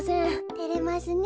てれますねえ。